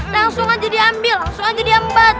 langsung aja diambil langsung aja diambat